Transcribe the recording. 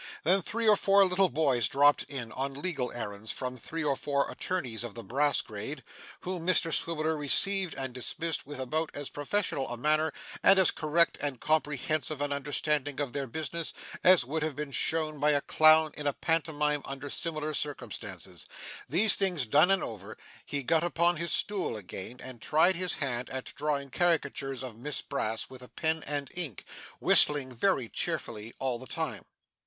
Then, three or four little boys dropped in, on legal errands from three or four attorneys of the Brass grade: whom Mr Swiveller received and dismissed with about as professional a manner, and as correct and comprehensive an understanding of their business, as would have been shown by a clown in a pantomime under similar circumstances. These things done and over, he got upon his stool again and tried his hand at drawing caricatures of Miss Brass with a pen and ink, whistling very cheerfully all the time.